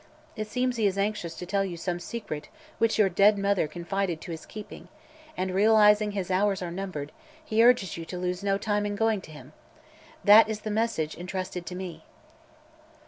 It seems he is anxious to tell you some secret which your dead mother confided to his keeping and, realizing his hours are numbered, he urges you to lose no time in going to him. That is the message entrusted to me."